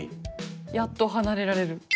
「やっと離れられる」。